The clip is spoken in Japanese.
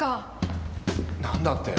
何だって？